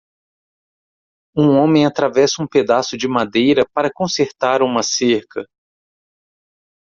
Um homem atravessa um pedaço de madeira para consertar uma cerca.